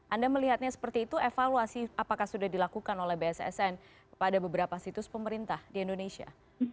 anda melihatnya seperti itu evaluasi apakah sudah dilakukan oleh bssn kepada beberapa situs pemerintah di indonesia